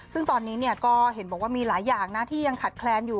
ซึ่งตอนนี้ก็เห็นบอกว่ามีหลายอย่างนะที่ยังขัดแคลนอยู่